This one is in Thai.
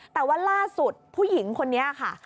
แต่ว่าล่าสุดผู้หญิงคนนี้ค่ะ